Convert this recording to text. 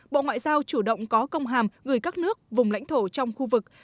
bộ ngoại giao chủ động có công hàm gửi các nước vùng lãnh thổ trong khu vực